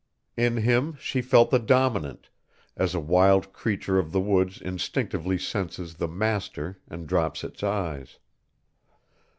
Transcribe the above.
In him she felt the dominant, as a wild creature of the woods instinctively senses the master and drops its eyes.